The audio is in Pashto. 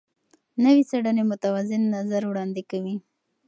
نوې څېړنې متوازن نظر وړاندې کوي.